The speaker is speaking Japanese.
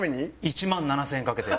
１万７０００円かけて。